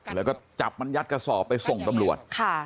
แล้วก็จับมันยัดกระสอบไปส่งตำรวจ